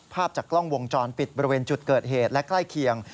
ภาพจากกล้องวงจรปิดบริเวณจุดเกิดเหตุและใกล้เคียง